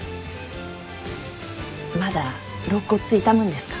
まだ肋骨痛むんですか？